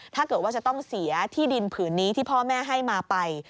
ถ้าเกิดว่าจะต้องเสียที่ดินผืนนี้ที่พ่อแม่ให้มาไป